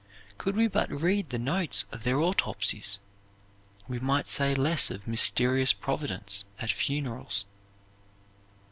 Could we but read the notes of their autopsies we might say less of mysterious Providence at funerals.